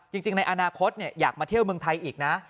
จริงในอนาคตอยากมาเที่ยวเมืองไทยอีกนะ